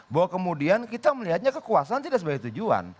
bahwa kemudian kita melihatnya kekuasaan tidak sebagai tujuan